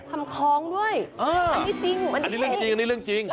ทำคล้องด้วยอันนี้เรื่องจริง